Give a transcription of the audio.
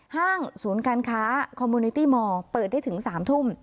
ห้างศูนย์การค้าคอมมูนิตี้มอร์เปิดได้ถึง๓ทุ่ม